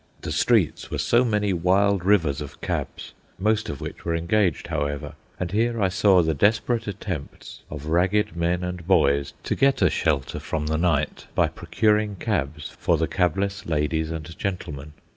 The streets were so many wild rivers of cabs, most of which were engaged, however; and here I saw the desperate attempts of ragged men and boys to get a shelter from the night by procuring cabs for the cabless ladies and gentlemen.